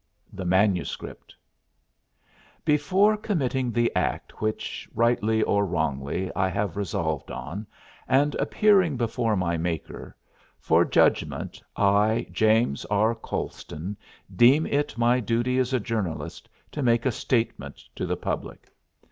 The man read: THE MANUSCRIPT "Before committing the act which, rightly or wrongly, I have resolved on and appearing before my Maker for judgment, I, James R. Colston, deem it my duty as a journalist to make a statement to the public.